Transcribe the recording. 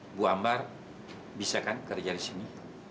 ibu ambar bisa kan kerja di sini